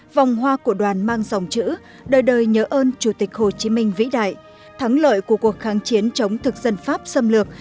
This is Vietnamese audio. vòng hoa của đoàn mang dòng chữ đời đời nhớ ơn chủ tịch hồ chí minh vĩ đại thắng lợi của cuộc kháng chiến chống thực dân pháp xâm lược